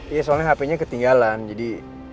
iya soalnya hpnya ketinggalan jadi